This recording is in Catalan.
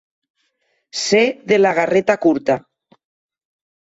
Ser de la garreta curta.